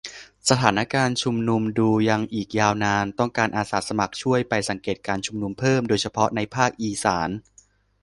สถานการณ์ชุมนุม ดูยังอีกยาวนาน ต้องการอาสาสมัครช่วยไปสังเกตการณ์ชุมนุมเพิ่ม โดยเฉพาะในภาคอีสาน